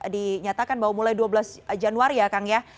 dinyatakan bahwa mulai dua belas januari ya kang ya